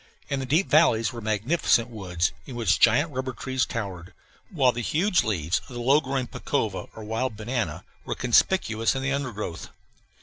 In the deep valleys were magnificent woods, in which giant rubber trees towered, while the huge leaves of the low growing pacova, or wild banana, were conspicuous in the undergrowth.